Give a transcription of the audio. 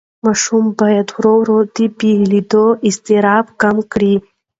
ماشوم باید ورو ورو د بېلېدو اضطراب کمه کړي.